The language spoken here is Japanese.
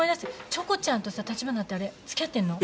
チョコちゃんとさ立花ってあれ付き合ってんの？